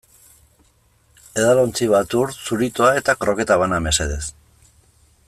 Edalontzi bat ur, zuritoa eta kroketa bana, mesedez.